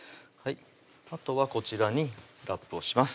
あとはこちらにラップをします